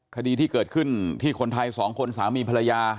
คดีที่เกิดขึ้นที่คนไทยสองคนสามีภรรยา